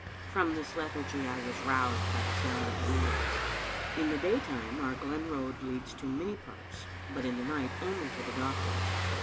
From this lethargy I was roused by the sound of wheels. In the daytime our glen road leads to many parts, but in the night only to the doctor's.